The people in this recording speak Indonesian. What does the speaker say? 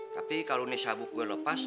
tapi kalau ini sabuk gue lepas